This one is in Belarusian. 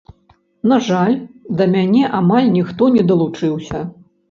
На жаль, да мяне амаль ніхто не далучыўся.